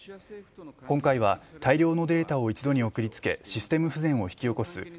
今回は大量のデータを一度に送りつけシステム不全を引き起こすＤＤｏＳ